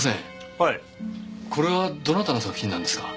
はいこれはどなたの作品なんですか？